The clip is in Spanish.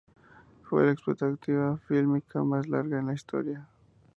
Fue la expectativa fílmica más larga en la historia.